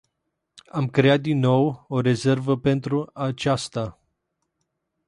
Am creat din nou o rezervă pentru aceasta.